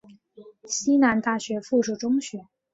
西南大学附属中学。